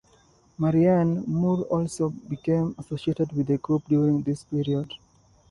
Marianne Moore also became associated with the group during this period.